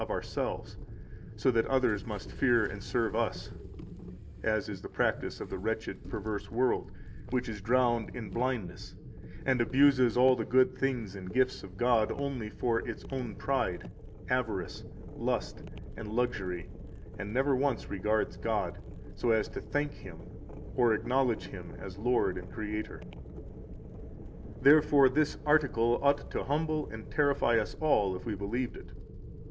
of ourselves, so that others must fear and serve us, as is the practise of the wretched, perverse world, which is drowned in blindness, and abuses all the good things and gifts of God only for its own pride, avarice, lust, and luxury, and never once regards God, so as to thank Him or acknowledge Him as Lord and Creator. 22 Therefore, this article ought to humble and terrify us all, if we believed it.